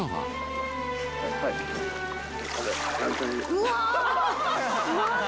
うわ。